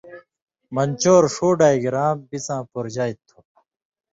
من چور ݜُو ڈائیگرام بِڅاں پورژا تُھو۔